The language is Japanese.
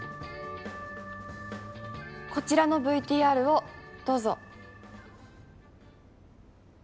こちらのＶＴＲをどうぞ。